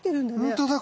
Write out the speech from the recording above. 本当だ